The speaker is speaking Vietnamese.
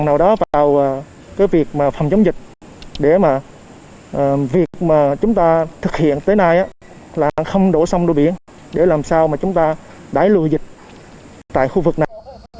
kêu gọi mọi người vào việc phòng chống dịch để việc mà chúng ta thực hiện tới nay là không đổ sông đổ biển để làm sao mà chúng ta đái lưu dịch tại khu vực này